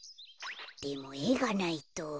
でもえがないと。